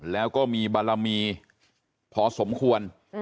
แล้วก็มีบารมีพอสมควร